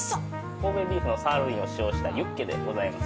神戸ビーフのサーロインを使用したユッケでございます。